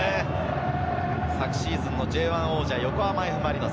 昨シーズンのＪ１王者、横浜Ｆ・マリノス。